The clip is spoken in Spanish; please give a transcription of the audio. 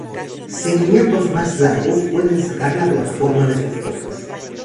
Seguimientos más largos pueden sacar la plataforma de sus topes.